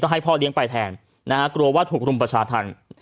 ให้พ่อเลี้ยงไปแทนนะฮะกลัวว่าถูกรุมประชาธรรม